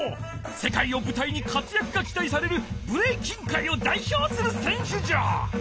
せかいをぶたいにかつやくがきたいされるブレイキンかいをだいひょうするせんしゅじゃ！